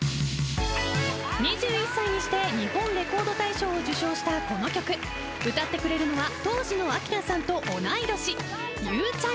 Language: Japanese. ２１歳にして日本レコード大賞を受賞したこの曲歌ってくれるのは当時の明菜さんと同い年ゆうちゃみ。